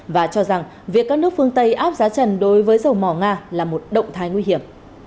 và cho rằng việc các nước phương tây áp giá trần đối với dầu mỏ nga là một động thái nguy hiểm